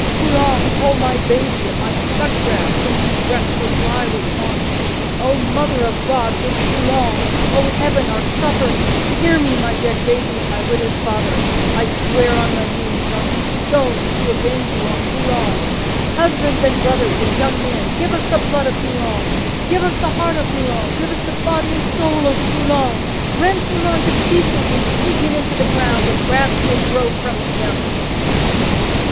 Foulon who told my baby it might suck grass, when these breasts were dry with want! O mother of God, this Foulon! O Heaven our suffering! Hear me, my dead baby and my withered father: I swear on my knees, on these stones, to avenge you on Foulon! Husbands, and brothers, and young men, Give us the blood of Foulon, Give us the head of Foulon, Give us the heart of Foulon, Give us the body and soul of Foulon, Rend Foulon to pieces, and dig him into the ground, that grass may grow from him!